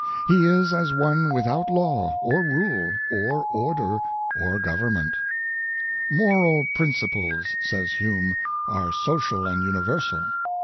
He is as one without law, or rule, or order, or government. ^' Moral principles," says Hume, " are social and universal.